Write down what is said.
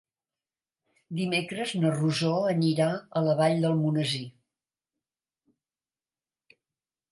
Dimecres na Rosó anirà a la Vall d'Almonesir.